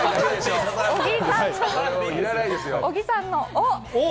小木さんの「お」！